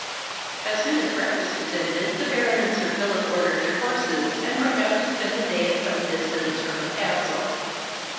As soon as breakfast was ended, the Baron and Sir Philip ordered their horses, and rode out to spend the day at some distance from the castle.